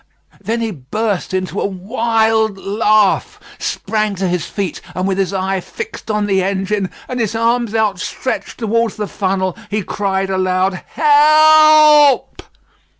Then he burst into a wild laugh, sprang to his feet, and with his eye fixed on the engine, and his arms outstretched towards the funnel, he cried aloud, "Help."